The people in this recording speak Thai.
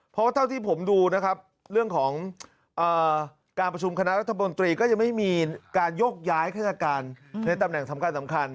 เพราะเท่าที่ผมดูนะครับเรื่องของการประชุมคณะรัฐมนตรีก็ยังไม่มีการโยกย้ายข้าราชการในตำแหน่งสำคัญ